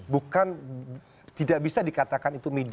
bukan tidak bisa dikatakan itu media